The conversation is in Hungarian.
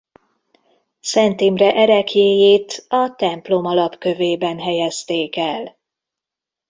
Szent Imre ereklyéjét a templom alapkövében helyezték el.